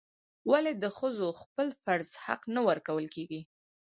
ولې د ښځو خپل فرض حق نه ورکول کیږي؟